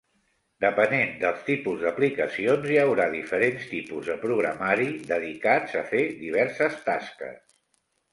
Depenent del tipus d'aplicacions hi haurà diferents tipus de programari dedicats a fer diverses tasques.